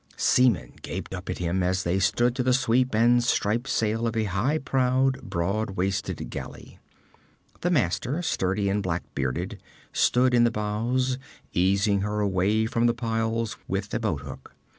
Seamen gaped up at him, as they stood to the sweep and striped sail of a high prowed, broad waisted galley. The master, sturdy and black bearded, stood in the bows, easing her away from the piles with a boat hook.